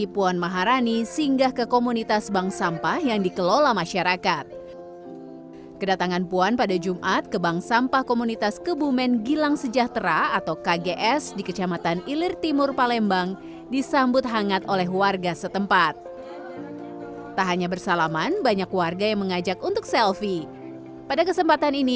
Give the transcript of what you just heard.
puan juga menyambangi rumah bumn yang beranggotakan seratus pelaku umkm palembang